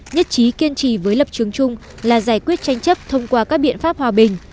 nhất trí kiên trì với lập trường chung là giải quyết tranh chấp thông qua các biện pháp hòa bình